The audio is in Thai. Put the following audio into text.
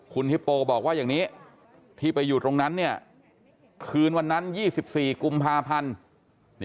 คุณฮิปโปบอกว่าอย่างนี้ที่ไปอยู่ตรงนั้นคืนวันนั้น๒๔กุมภาพันธ์